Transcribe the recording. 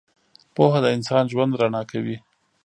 • پوهه د انسان ژوند رڼا کوي.